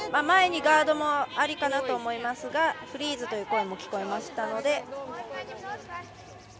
前にガードもありかなと思いますがフリーズという声も聞こえましたので。